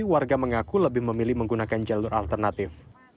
warga mengaku lebih memilih menggunakan jalur alternatif